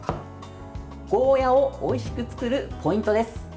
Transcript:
ゴーヤーをおいしく作るポイントです。